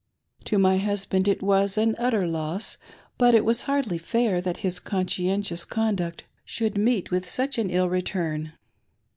To my husband it was an utter loss, but it was hardly fair that his conscientious conduct should meet with such an ill return.